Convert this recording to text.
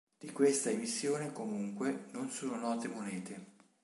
Di questa emissione comunque non sono note monete.